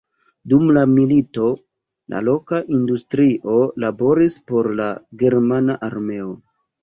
Dum la milito, la loka industrio laboris por la germana armeo.